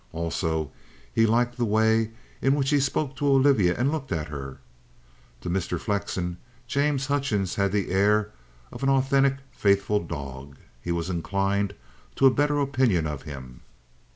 Also, he liked the way in which he spoke to Olivia and looked at her. To Mr. Flexen, James Hutchings had the air of the authentic faithful dog. He was inclined to a better opinion of him.